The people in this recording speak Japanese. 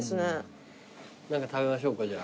何か食べましょうかじゃあ。